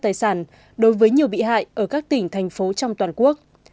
tài sản đối với nhiều bị hại ở các tỉnh thành phố trong toàn quốc